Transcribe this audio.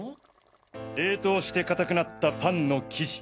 冷凍してかたくなったパンの生地。